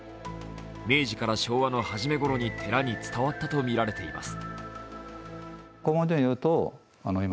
明治から昭和の初めごろに寺に伝わったとされています。